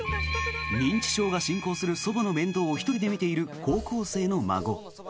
認知症が進行する祖母の面倒を１人で見ている高校生の孫。